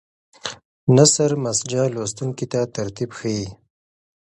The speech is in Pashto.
نثر مسجع لوستونکي ته ترتیب ښیي.